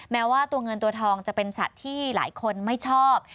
แม้ว่าตัวเงินตัวทองจะเป็นสัตว์ที่หลายคนไม่ชอบ